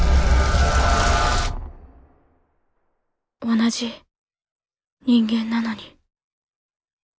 同じ人間なのに。